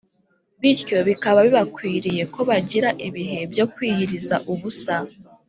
bityo bikaba bibakwiriye ko bagira ibihe byo kwiyiriza ubusa